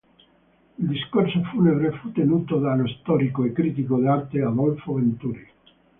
Il discorso funebre fu tenuto dallo storico e critico d'arte Adolfo Venturi.